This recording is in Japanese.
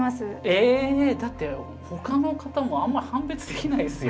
えだってほかの方もあんま判別できないですよ。